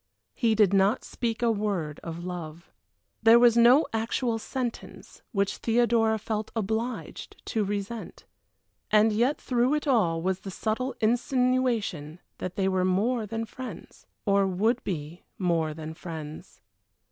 He did not speak a word of love. There was no actual sentence which Theodora felt obliged to resent and yet through it all was the subtle insinuation that they were more than friends or would be more than friends.